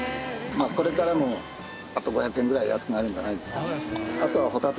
まあこれからもあと５００円ぐらい安くなるんじゃないですか。